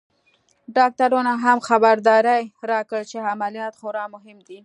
ډاکترانو هم خبرداری راکړ چې عمليات خورا مهم دی.